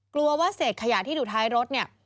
กลัวว่าเศษขยะที่อยู่ท้ายรถเนี่ย